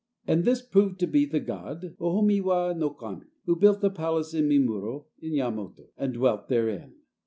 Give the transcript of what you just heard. And this proved to be the god Ohomiwa no Kami, who built a palace at Mimuro, in Yamato, and dwelt therein.